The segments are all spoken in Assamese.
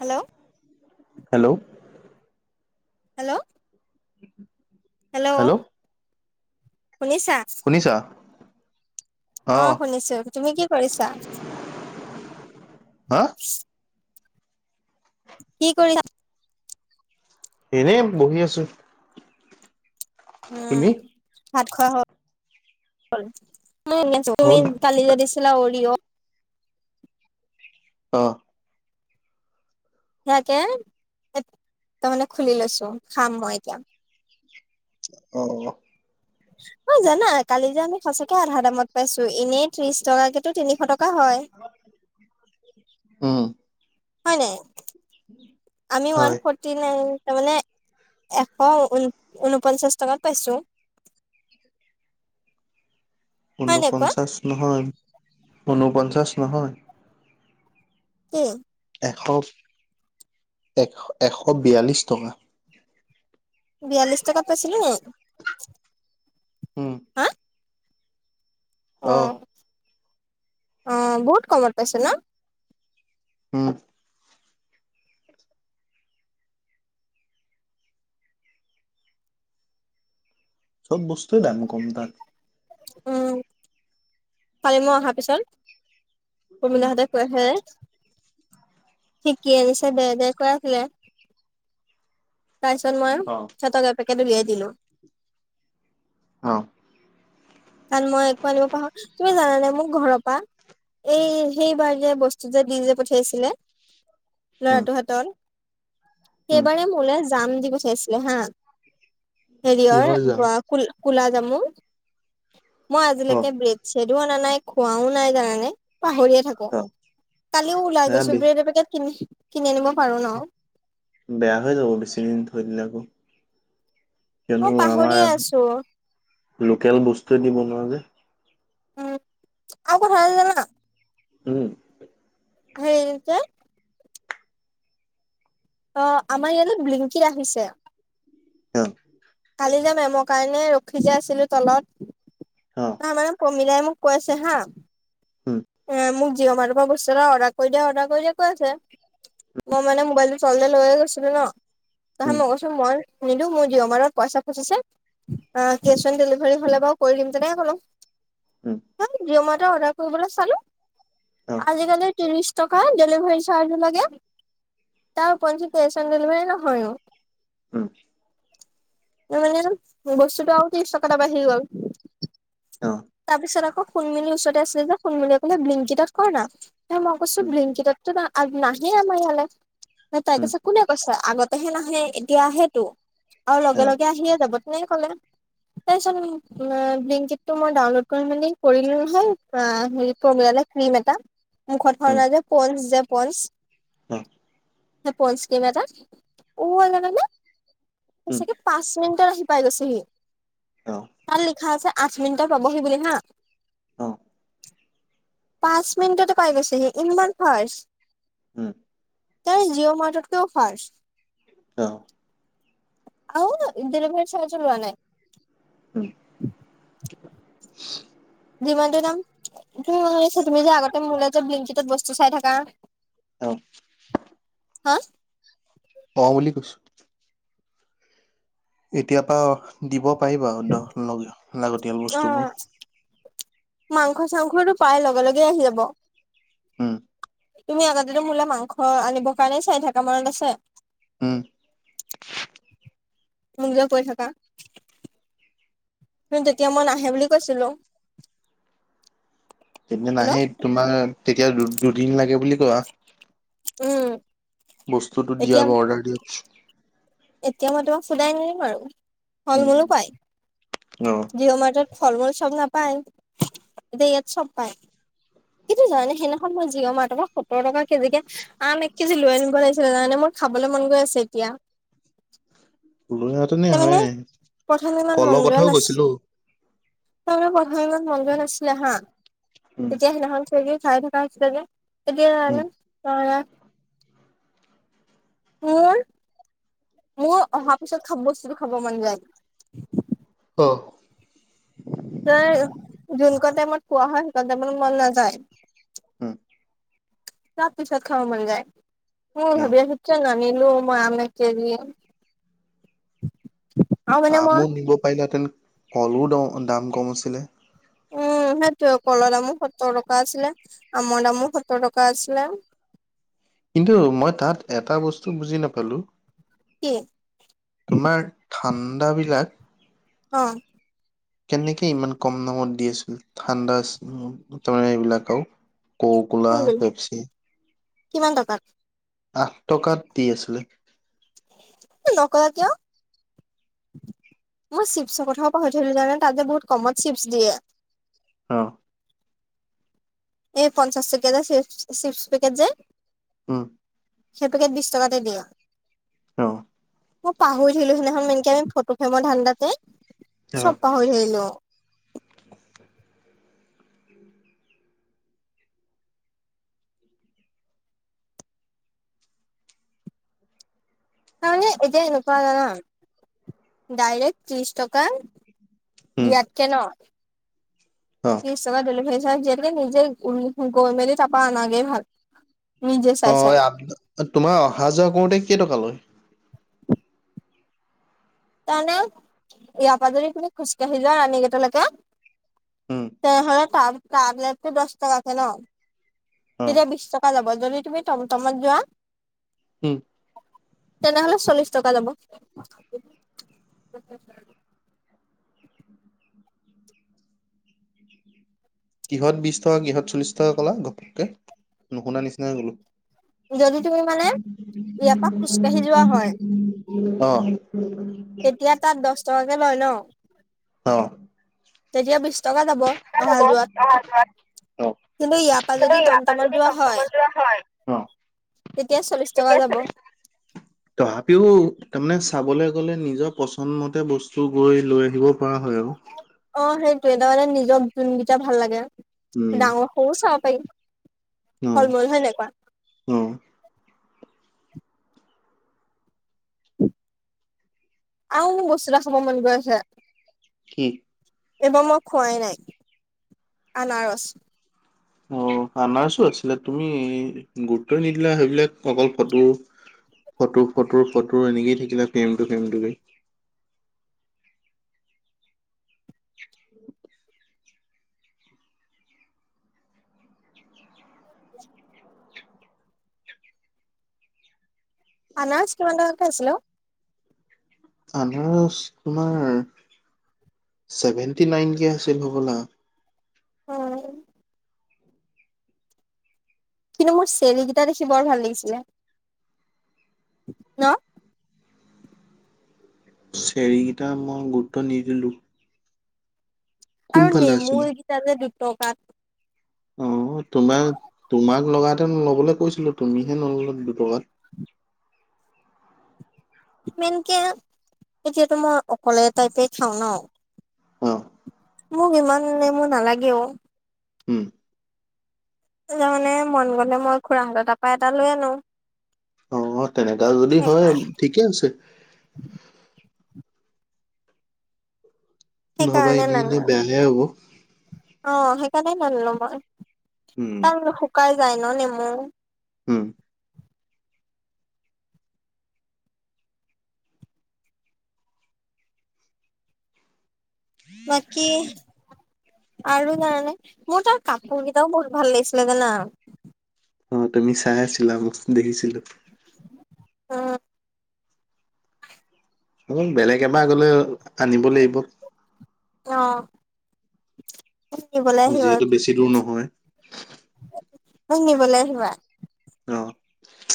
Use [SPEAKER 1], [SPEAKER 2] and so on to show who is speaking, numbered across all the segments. [SPEAKER 1] হেল্ল'।
[SPEAKER 2] হেল্ল'।
[SPEAKER 1] হেল্ল'। হেল্ল'। শুনিছা?
[SPEAKER 2] শুনিছা
[SPEAKER 1] অ, শুনিছো। তুমি কি কৰিছা?
[SPEAKER 2] হা?
[SPEAKER 1] কি কৰিছ?
[SPEAKER 2] এনেই বহি আছো।
[SPEAKER 1] উম,
[SPEAKER 2] তুমি
[SPEAKER 1] ভাত খোৱা হল? তুমি
[SPEAKER 2] হ'ল
[SPEAKER 1] কালি যে দিছিলা অৰিঅ
[SPEAKER 2] অ।
[SPEAKER 1] সেয়াকে তাৰ মানে খুলি লৈছো। খাম মই এতিয়া।
[SPEAKER 2] অহ, অহ।
[SPEAKER 1] অ, জানা কালি যে আমি সঁচাকে আধা দামত পাইছো। এনেই ত্ৰিশ টকাকেটো তিনিশ টকা টকা হয়।
[SPEAKER 2] উম।
[SPEAKER 1] হয় নাই? আমি ওৱান
[SPEAKER 2] হয়
[SPEAKER 1] ফৰ্টি নাইন তাৰ মানে এশ ঊন ঊনপঞ্চাশ টকাত পাইছো।
[SPEAKER 2] [inaudible]
[SPEAKER 1] হয় নাই কোৱা
[SPEAKER 2] ঊনপঞ্চাশ নহয়, ঊনপঞ্চাশ নহয়।
[SPEAKER 1] উ।
[SPEAKER 2] এশ, এ এশ বিয়াল্লিছ টকা।
[SPEAKER 1] বিয়াল্লিছ টকাত পাইছিলো নি?
[SPEAKER 2] উম।
[SPEAKER 1] হা অ, আহ বহুত কমত পাইছে ন?
[SPEAKER 2] উম। চব বস্তুৱে দাম কম তাত।
[SPEAKER 1] উম। কালি মই অহাৰ পিছত
[SPEAKER 2] উম
[SPEAKER 1] প্ৰমীলাহঁতে কৈ আছে যে সি কি আনিছে দে-দে কৈ আছিলে। তাৰ পিছত মই
[SPEAKER 2] অ
[SPEAKER 1] সিহঁতক এপেকেট উলিয়াই দিলো।
[SPEAKER 2] অ।
[SPEAKER 1] কাৰণ মই একো আনিব পাৰো, তুমি জানানাই মোৰ ঘৰৰ পৰা এই সেইবাৰ যে বস্তু যে দি যে পঠিয়াইছিলে।
[SPEAKER 2] উম
[SPEAKER 1] ল'ৰাটো হাতত
[SPEAKER 2] উম
[SPEAKER 1] সেইবাৰে মোলে। যাম দি পথাইছিলে হা হেৰিয়ৰ
[SPEAKER 2] কিহৰ যাম
[SPEAKER 1] ব ক কোলা জামু। মই
[SPEAKER 2] অ
[SPEAKER 1] আজিলৈকে ব্ৰেড-চেডও অনা নাই খোৱাও নাই জানানে? পাহৰিয়ে থাকো
[SPEAKER 2] অ
[SPEAKER 1] কালিও ওলাই
[SPEAKER 2] সেয়া
[SPEAKER 1] গৈছো
[SPEAKER 2] বে
[SPEAKER 1] ব্ৰেডৰ পেকেট ক কিনি আনিব পাৰো ন।
[SPEAKER 2] বেয়া হৈ যাব বেছি দিন থৈ দিলে আকৌ কিয়নো
[SPEAKER 1] মই পাহৰিয়ে আছো
[SPEAKER 2] আমাৰ লোকেল বস্তুৱে দিব নোৱাৰ যে।
[SPEAKER 1] উম, আক ভালিল না
[SPEAKER 2] উম।
[SPEAKER 1] হেই ত অ, আমাৰ ইয়াত লিংকি আহিছে।
[SPEAKER 2] হ।
[SPEAKER 1] কালি যাম এ মৰ কাৰণে ৰখি যে আছিলো তলত।
[SPEAKER 2] অ
[SPEAKER 1] ন মানে প্ৰমিলাই মোক কৈ আছে হা।
[SPEAKER 2] উম
[SPEAKER 1] উ মোক যিৱ মাৰ ই বস্তু এটা অৰ্ডাৰ কৰি দিয়া অৰ্ডাৰ কৰি দিয়া কৈ আছে মই মানে মোবাইল টো ছোৱালীজনীয়ে লৈ গৈছিলে ন। তহে
[SPEAKER 2] উম
[SPEAKER 1] মই কৈচো মই নিদো মোৰ জিঅ মাৰত পইচা খুজিছে। অ কেচ অন ডেলিভাৰী হ'লে বাৰু কৰি দিম তেনেকে কলো।
[SPEAKER 2] উম
[SPEAKER 1] মাটা অৰ্ডাৰ কৰিবলৈ।
[SPEAKER 2] অ
[SPEAKER 1] আজিকালি ত্ৰিশ টকা ডেলিভাৰী চাৰ্জ লাগে। তাৰ পঞ্চিতেচন [inaudible] ৰেলভাৰ ন হয়নো
[SPEAKER 2] উম!
[SPEAKER 1] মানে বস্তুটো আকৌ ত্ৰিশ টকা এটা বাাহি গ'ল। তাৰপিছত আকৌ সোণমিলিৰ ওচৰতে আছিলে যে সোণমিলিয়ে ক'লে বিংকিতাত কৰ না মই কৈছো বিংকিতাত ত আ নাহেই আমাৰ ইয়ালে। ন তাই কৈছে কোনে কৈছে আগতেহে নাহে এতিয়া আহে টো। আৰু লগে লগে আহিয়ে যাব তেনেকলে তাৰপিছত বিংকিত মই ডাউনলোড কৰি মানে কৰিলো নহয় প্ৰম ক্ৰীম এটা। মুখত
[SPEAKER 2] উম
[SPEAKER 1] হনা যে পৌনচ যে পৌনচ স পৌনচক্ৰীম এটা লাগে নে। সাগে পাঁচ মিনিটত আহি পাই গৈছেহি, তাৰ লিখা আছে আঠ মিনিট। পাবহি বুলি হা। পাঁচ মিনিটতে পাই গৈছে সি ইমান ফষ্ট। ত জিঅ' মাৰ্টৱৰ্টক ফাষ্ট।
[SPEAKER 2] অ।
[SPEAKER 1] আৰু ডিলভাৰ চাহ্য লোৱা নাই।
[SPEAKER 2] উম
[SPEAKER 1] যিমানটো দাম তুি ম শুনিছা তুমি যে আগতে মোলৈ যে বিংকটত বস্তু চাই থাকা।
[SPEAKER 2] অ
[SPEAKER 1] হা
[SPEAKER 2] অ বুলি কৈছোঁ। এতিয়াৰ পা দিব পাৰিবা লাগতিয়াল বস্তুবোৰ।
[SPEAKER 1] মাংস চাংসটো পায় লগে লগেই আহি যাব।
[SPEAKER 2] হম
[SPEAKER 1] তুমি আগতে মোলে মাংস আনিবৰ কাৰণে চাই থাকা মনত আছে?
[SPEAKER 2] হম
[SPEAKER 1] মোক যে কৈ থকা। কিন্ত তেতিয়া মই নাহে বুলি কৈছিলোঁ।
[SPEAKER 2] তেতিয়া নাহে তোমাৰ তেতিয়া দু দুদিন লাগে বুলি কোৱা।
[SPEAKER 1] উম!
[SPEAKER 2] বস্তুটো
[SPEAKER 1] এতিয়া
[SPEAKER 2] দিয়া বা অৰ্ডাৰ দিয়া
[SPEAKER 1] এতিয়া মই তোমাক সোধাই নিদিম আৰু ফল
[SPEAKER 2] উম
[SPEAKER 1] মূলো পায়
[SPEAKER 2] অ
[SPEAKER 1] জিঅ' মাৰ্টত। ফল মূল চব নাপায় এতিয়া ইয়াত চব পায়। কিন্তু জানে সেইদিনাখন মই জিঅ মাৰ্টৰ সত্তৰটকা কেজিকে আম এক কেজি লৈ আনিব লাগিছিলে জানানে মই খাবলৈ মন গৈ আছে এতিয়া।
[SPEAKER 2] লৈ অহাহেতেনে
[SPEAKER 1] তাৰমানে
[SPEAKER 2] হয় কলৰ কথাও কৈছিলো
[SPEAKER 1] তাৰ প্ৰথমদিনা মন্দিৰত আছিলা হা
[SPEAKER 2] উম
[SPEAKER 1] তেতিয়া সিদিনাখন সেই কেইদিন খাই থকা হৈছিলে যে এতিয়া নাই
[SPEAKER 2] উম
[SPEAKER 1] যে, সেই কাৰণে মোৰ মোৰ অহা পিছত খাব বস্তুটো খাব মন যায়।
[SPEAKER 2] অহ
[SPEAKER 1] যি কন টাইমত পোৱা হয় সেই কন টাইমত মন নাযায়।
[SPEAKER 2] উম!
[SPEAKER 1] চব পিছত খাব মন যায়, মোৰ ভাবি আছো কি যানা নিলো মই আম এককেজি
[SPEAKER 2] আমো নিব পাৰিলে হেঁতেন কলো দ দাম কম আছিলে
[SPEAKER 1] উম সেইটোয়ে কলৰ দামো সত্তৰ টকা আছিলে আমৰ দামো সত্তৰ টকা আছিলে
[SPEAKER 2] কিন্তু মই তাত এটা বস্তু বুজি নাপালো
[SPEAKER 1] কি
[SPEAKER 2] তোমাৰ ঠাণ্ডা বিলাক
[SPEAKER 1] অ
[SPEAKER 2] কেনেকে ইমান কম দামত দি আছিল ঠাণ্ডা এইবিলাকও ককৌকলা
[SPEAKER 1] কোনবিল
[SPEAKER 2] পেপচি
[SPEAKER 1] কিমান টকাত
[SPEAKER 2] আঠ টকাত দি আছিলে
[SPEAKER 1] নকলা কিয় মই চিপ্ছৰ কথাও পাহৰি থাকিলো জানা তাত যে বহুত কমত চিপ্ছ দিয়ে
[SPEAKER 2] অ
[SPEAKER 1] এই পঞ্চাশ টকীয়া চিপ চিপছ পেকট যে
[SPEAKER 2] হম
[SPEAKER 1] সেই পেকেট বিশ টকাতে দিয়ে
[SPEAKER 2] অ
[SPEAKER 1] মই পাহৰি থাকিলো সিদিনাখন মেনকে আমি ফটো ফেমৰ ধান্দাতে
[SPEAKER 2] অ
[SPEAKER 1] চব পাহৰি থাকিলো তামানে এতিয়া এনেকোৱা জানা ডাইৰেক্ট ত্ৰিশ টকা
[SPEAKER 2] উম
[SPEAKER 1] দিয়াত কে ন
[SPEAKER 2] অ
[SPEAKER 1] ত্ৰিছ টকা ডেলিভাৰী চাৰ্জ দিয়াতকে নিজে গৈ মেলি তাৰাপা অনাগে ভাল নিজে
[SPEAKER 2] অ
[SPEAKER 1] চাই চাই।
[SPEAKER 2] আ তোমাৰ অহা যোৱা কৰোতে কেই টকা লয়
[SPEAKER 1] তাৰমানে ইয়াৰ পৰা যদি তুমি খোজকাাঢ়ি যোৱা ৰাণীগেটলৈকে
[SPEAKER 2] উম
[SPEAKER 1] তেনেহলে টাবলেটটো দহ টকাকে ন
[SPEAKER 2] অ
[SPEAKER 1] তেতিয়া বিশ টকা যাব যদি তুমি টমটমত যোৱা
[SPEAKER 2] উম
[SPEAKER 1] তেনেহ'লে চল্লিশ টকা যাব
[SPEAKER 2] কিহত বিশ টকা কিহত চল্লিশ টকা কলা ঘপককে নুশুনা নিচিনাই গলো
[SPEAKER 1] যদি তুমি মানে ইয়াৰ পৰা খোজকাঢ়ি যোৱা হয়
[SPEAKER 2] অ
[SPEAKER 1] তেতিয়া তাত দহ টকাকে লয় ন
[SPEAKER 2] অ
[SPEAKER 1] তেতিয়া বিশ টকা যাব অহা
[SPEAKER 2] ল'ব
[SPEAKER 1] যোৱাত
[SPEAKER 2] অহা যোৱাত
[SPEAKER 1] কিন্তু ইয়াৰ পৰা
[SPEAKER 2] কিন্তু
[SPEAKER 1] যদি
[SPEAKER 2] ইয়াৰ পৰা
[SPEAKER 1] টমটমত
[SPEAKER 2] যদি
[SPEAKER 1] যোৱা হয়
[SPEAKER 2] টমটমত যোৱা হয়
[SPEAKER 1] তেতিয়া চল্লিশ টকা
[SPEAKER 2] তেতিয়া
[SPEAKER 1] যাব
[SPEAKER 2] তথাপিও তামানে চাবলৈ গলে নিজৰ পছন্দ মতে বস্তু গৈ লৈ আহিব পৰা হয় আৰু
[SPEAKER 1] ত এটাৰ মানে নিজক যোনকেইটা ভাল লাগে
[SPEAKER 2] উম
[SPEAKER 1] ডাঙৰ সৰুও চাব পাৰিম
[SPEAKER 2] অ' অ'।
[SPEAKER 1] আও বস্তু এটা খাব মন গৈ আছে।
[SPEAKER 2] কি?
[SPEAKER 1] এইবাৰ মই খোৱাই নাই, আনাৰচ
[SPEAKER 2] অ', আনাৰছো আছিলে তুমি গুৰুত্বয়ে নিদিলা সেইবিলাক অকল ফটো ফটো ফটো ফটো এনেকেই থাকিলা, ফেমটো ফেমটো লয়। [unintelligible]
[SPEAKER 1] আনাৰজ কিমান টকাকে আছিলো ঔ?
[SPEAKER 2] আনাৰস তোমাৰ ছেভেন্টি নাইনকে আছিল হ'বলা।
[SPEAKER 1] উ'। কিন্তু মোৰ চেৰিকিটা দেখি বৰ ভাল লাগিছিলে, ন।
[SPEAKER 2] চেৰিকিটা মই গুৰুত্ব নিদিলো।
[SPEAKER 1] আৰু
[SPEAKER 2] কোনফালে
[SPEAKER 1] নেমুৰ এইকেইটা যে দুটকাত
[SPEAKER 2] উম। তোমাৰ তোমাক লগাহেতেন ল'বলৈ কৈছিলো, তুমিহে নল‌লা দুটকাত। [inaudible]
[SPEAKER 1] মেনকে, এতিয়াতো মই অকলে টাইপে খাওঁ ন
[SPEAKER 2] অ
[SPEAKER 1] মোক ইমানে নেমু নালাগেয়ো।
[SPEAKER 2] উম
[SPEAKER 1] তাৰমানে মন গলে মই খুৰাহঁতৰ তাৰপা এটা লৈ আনো।
[SPEAKER 2] অ তেনেকা যদি হয় ঠিকে আছে।
[SPEAKER 1] সেই
[SPEAKER 2] নহবা
[SPEAKER 1] কাৰণে
[SPEAKER 2] এনেই
[SPEAKER 1] ন
[SPEAKER 2] এনেই
[SPEAKER 1] [unintelligible]
[SPEAKER 2] বেয়াহে হ'ব
[SPEAKER 1] অ', সেইকাৰণে নানিলো মই।
[SPEAKER 2] উম
[SPEAKER 1] তান শুকাই যাই ন নেমু।
[SPEAKER 2] হুম।
[SPEAKER 1] বাকী আৰু জানানে, মোৰ তাৰ কাপোৰকিতাও বহুত ভাল লাগিছিলে জানা।
[SPEAKER 2] অ', তুমি চাই আছিলা মই দেখিছিলো।
[SPEAKER 1] উম।
[SPEAKER 2] অ', বেলেগ এবাৰ গলে আনিব লাগিব।
[SPEAKER 1] অ'। মোক নিবলৈ আহিবা
[SPEAKER 2] যিহেতু বেছি দূৰ নহয়।
[SPEAKER 1] মোক নিবলে আহিবা,
[SPEAKER 2] অ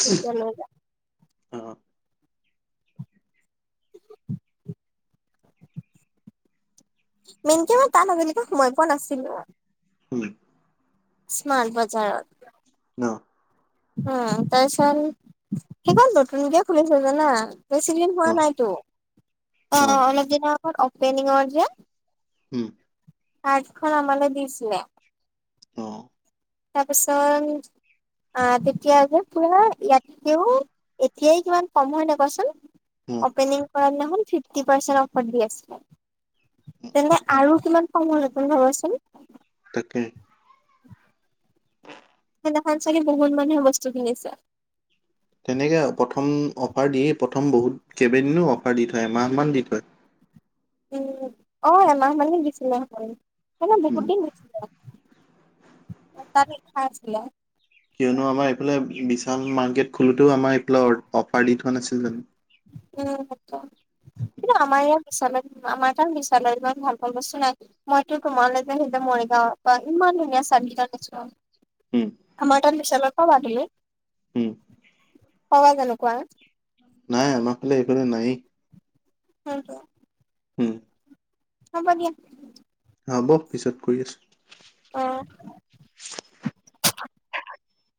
[SPEAKER 1] তেতিয়া লৈ যাম।
[SPEAKER 2] অ'।
[SPEAKER 1] মেইনকে মই তাত আজিলৈকে সোমাই পোৱা নাছিলো
[SPEAKER 2] উম
[SPEAKER 1] স্মাৰ্ট বজাৰত।
[SPEAKER 2] অ'।
[SPEAKER 1] উম, তাৰছত সেইখন নতুনকে খুলিছে জানা বেছি দিন হোৱা
[SPEAKER 2] অ
[SPEAKER 1] নাই কিন্ত, অ' অলপ দিনৰ আগত অপেনিংৰ যে
[SPEAKER 2] উম
[SPEAKER 1] কাৰ্ডখন আমালৈ দিছিলে।
[SPEAKER 2] অ
[SPEAKER 1] তাৰপিছত আহ তেতিয়া যে পুৰা ইয়াতকেও, এতিয়াই কিমান কম। হয় নে কোৱাচোন?
[SPEAKER 2] অ
[SPEAKER 1] অপেনিং কৰা দিনাখন ফিফটি পাৰ্চেন্টে অফাৰ দি আছিলে। তেন্তে আৰু কিমান কাম হল তুমি ভাবাচোন।
[SPEAKER 2] তাকে
[SPEAKER 1] সেইদিনাখন চাগে বহুত মানুহে বস্তু কিনিছে।
[SPEAKER 2] তেনেকে প্ৰথম অফাৰ দিয়ে, প্ৰথম বহুত কেইবা দিনো অফাৰ দি থয় এমাহ মান দি থয়। [inaudible]
[SPEAKER 1] অ', এমাহ মানেই দিছিলে। অ নহয় বহুত
[SPEAKER 2] উম
[SPEAKER 1] দিন দিছিলে। তাত লিখা আছিলে।
[SPEAKER 2] কিয়নো আমাৰ এইফালে বিশাল মাৰ্কেট খোলোতেও আমাৰ এইফাল অফাৰ দি থোৱা নাছিল জানো।
[SPEAKER 1] উম, কিন্তু আমাৰ আৰু বিশালত আমাৰ তাৰ বিশালত ইমান ভাল পোৱা বস্তু নাই মইতো তোমালৈ যে সেই যে মৰিগাঁওত বা ইমান ধুনীয়া [unintelligible] চাৰ্টকেইটা দেখিছিলোঁ [unintelligible]
[SPEAKER 2] উম
[SPEAKER 1] আমাৰ তাৰ বিশালৰ পৰা [unintelligible]
[SPEAKER 2] উম [unintelligible]
[SPEAKER 1] চাবা কেনেকুৱা [unintelligible]
[SPEAKER 2] নাই আমাৰফালে এইফালেই নাই [unintelligible]
[SPEAKER 1] হয়টো [unintelligible]
[SPEAKER 2] হুম [unintelligible]
[SPEAKER 1] হব দিয়া [unintelligible]
[SPEAKER 2] হ'ব পিছত কৰি আছোঁ [unintelligible]
[SPEAKER 1] আহ [unintelligible]